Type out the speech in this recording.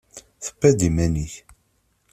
Tewwiḍ-d iman-ik.